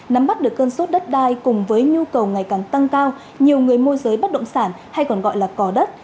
nắm bắt được cơn sốt đất đai cùng với nhu cầu ngày càng tăng cao nhiều người môi giới bất động sản hay còn gọi là cò đất